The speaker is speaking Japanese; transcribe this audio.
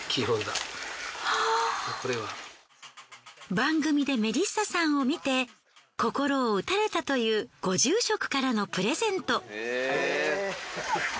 番組でメリッサさんを見て心を打たれたというご住職からのプレゼント。